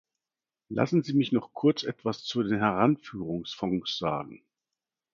Lassen Sie mich noch kurz etwas zu den Heranführungsfonds sagen.